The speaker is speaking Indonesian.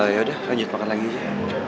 yaudah lanjut makan lagi aja